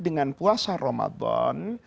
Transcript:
dengan puasa ramadan